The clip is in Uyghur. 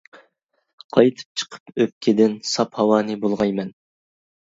قايتىپ چىقىپ ئۆپكىدىن، ساپ ھاۋانى بۇلغايمەن.